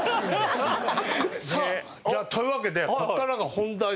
ハハハハ！というわけでここからが本題です。